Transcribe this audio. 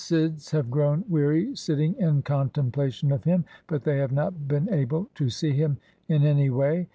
Sidhs have grown weary sitting in contemplation of Him, but they have not been able to see Him in any way.